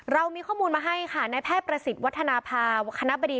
เรามีข้อมูลมาให้ค่ะในแพทย์ประสิทธิ์วัฒนภาวคณะบดี